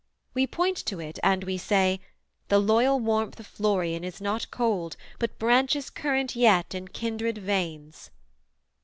we point to it, and we say, The loyal warmth of Florian is not cold, But branches current yet in kindred veins.'